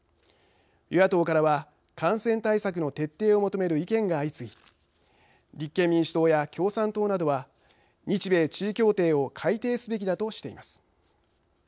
与野党からは感染対策の徹底を求める意見が相次ぎ立憲民主党や共産党などは日米地位協定を改定すべきだとしています。